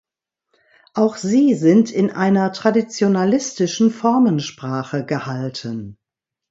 Auch sie sind in einer traditionalistischen Formensprache gehalten.